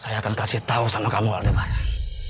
saya akan kasih tau sama kamu aldebaran